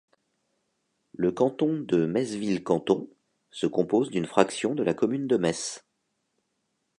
Le canton de Metz-Ville Canton se compose d’une fraction de la commune de Metz.